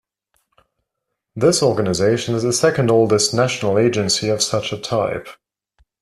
This organization is the second oldest national agency of such a type.